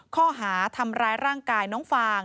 ข้อหาทำร้ายร่างกายน้องฟาง